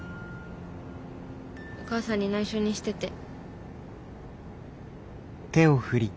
お母さんに内緒にしてて。